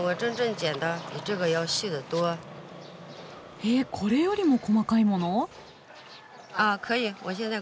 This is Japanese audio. へえこれよりも細かいもの？